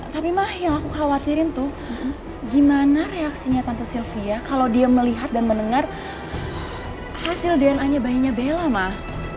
tapi mah yang aku khawatirin tuh gimana reaksinya tante sylvia kalau dia melihat dan mendengar hasil dna nya bayinya bella mah